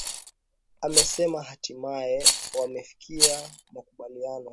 amesema hatimaye wamefikia makubaliano